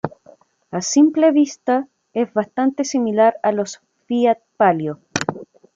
A simple vista, es bastante similar a los Fiat Palio.